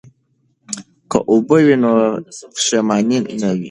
که اوبه وي نو پښیماني نه وي.